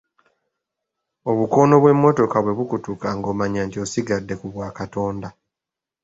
Obukono bw'emmotoka bwe bukutuka ng'omanya nti osigadde ku bwakatonda.